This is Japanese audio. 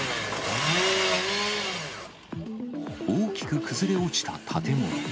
大きく崩れ落ちた建物。